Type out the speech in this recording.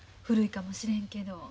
古いかもしれんけど。